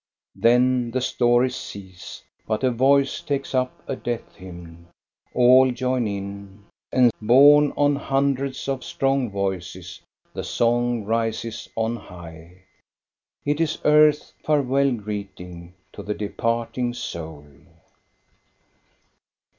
Then the stories cease, but a voice takes up a death hymn. All join in, and, borne on hundreds of strong voices, the song rises on high. It is earth's farewell greeting to the departing soul.